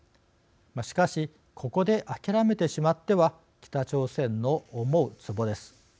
しかし、ここで諦めてしまっては北朝鮮の思うつぼです。